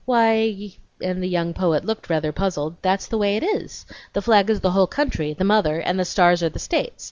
"Why" (and the young poet looked rather puzzled), "that's the way it is; the flag is the whole country the mother and the stars are the states.